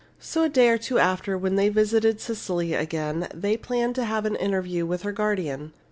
So a day or two after, when they visited Cecily again, they planned to have an interview with her guardian.